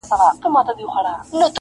هنر هنر سوم زرګري کوومه ښه کوومه,